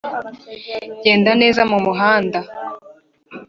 genda neza mu muhanda